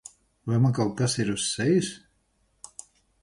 Vai man kaut kas ir uz sejas?